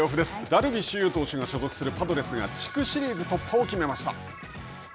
ダルビッシュ有投手が所属するパドレスが地区シリーズ突破を決めました。